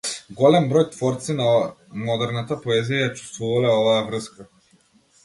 Голем број творци на модерната поезија ја чувствувале оваа врска.